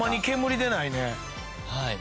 はい。